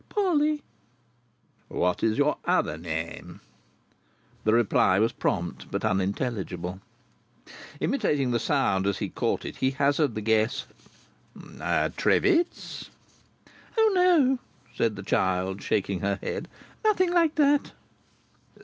"Polly." "What is your other name?" The reply was prompt, but unintelligible. Imitating the sound, as he caught it, he hazarded the guess, "Trivits?" "O no!" said the child, shaking her head. "Nothing like that."